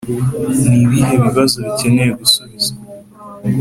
ni ibihe bibazo bikeneye gusubizwa?